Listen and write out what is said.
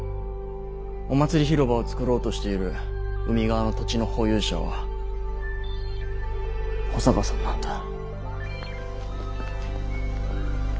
お祭り広場を作ろうとしている海側の土地の保有者は保坂さんなんだ。